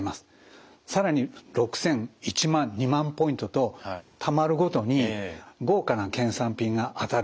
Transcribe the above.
更に６，０００１万２万ポイントとたまるごとに豪華な県産品が当たる。